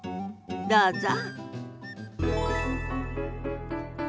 どうぞ。